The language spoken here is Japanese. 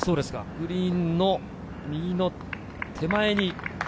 グリーンの右の手前に。